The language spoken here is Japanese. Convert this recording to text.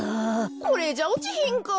これじゃおちひんかあ。